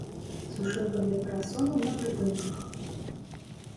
Сушылка для парасонаў на прыпынках.